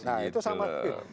nah itu sama